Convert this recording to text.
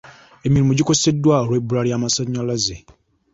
Emirimu gikoseddwa olw'ebbula ly'amasanyalaze.